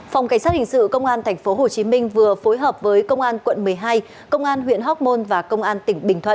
phòng cảnh sát hình sự công an tp hcm vừa phối hợp với công an quận một mươi hai công an huyện hóc môn và công an tỉnh bình thuận